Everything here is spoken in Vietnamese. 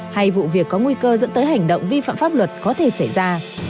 hay vụ việc có nguy cơ dẫn tới hành động vi phạm pháp luật có thể xảy ra